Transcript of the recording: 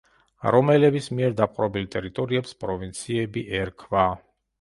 რომაელების მიერ დაპყრობილ ტერიტორიებს პროვინციები ერქვა.